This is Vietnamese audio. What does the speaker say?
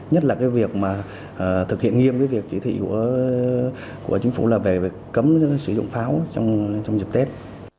nhất là việc thực hiện nghiêm với việc chỉ thị của chính phủ là về cấm sử dụng pháo trong dịp tết